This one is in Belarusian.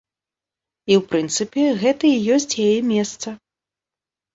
І, у прынцыпе, гэта і ёсць яе месца.